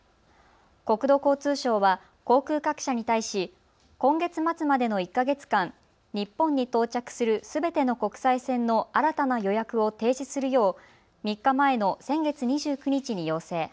国土交通省は航空各社に対し今月末までの１か月間、日本に到着するすべての国際線の新たな予約を停止するよう３日前の先月２９日に要請。